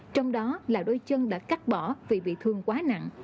trong đó là đôi chân đã cắt bỏ vì bị thương quá nặng